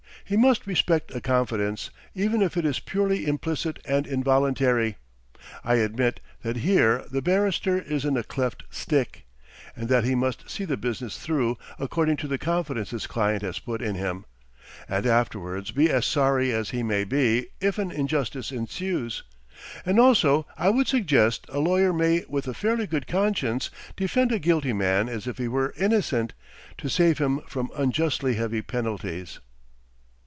He must respect a confidence, even if it is purely implicit and involuntary. I admit that here the barrister is in a cleft stick, and that he must see the business through according to the confidence his client has put in him and afterwards be as sorry as he may be if an injustice ensues. And also I would suggest a lawyer may with a fairly good conscience defend a guilty man as if he were innocent, to save him from unjustly heavy penalties.